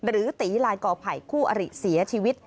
หรือตีลายกอไผ่คู่อริเสียชีวิต